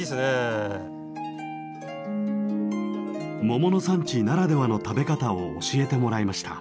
桃の産地ならではの食べ方を教えてもらいました。